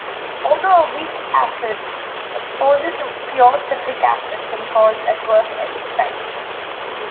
Although a weak acid, exposure to pure citric acid can cause adverse effects.